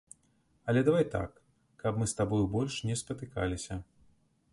Але давай так, каб мы з табою больш не спатыкаліся.